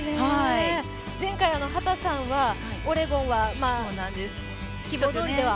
前回、秦さんはオレゴンは希望どおりでは。